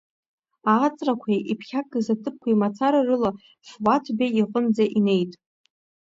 Ааҵрақәеи, иԥхьакыз аҭыԥқәеи мацара рыла Фуаҭ Беи иҟынӡа инеит.